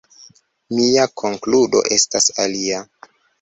Mia konkludo estas alia.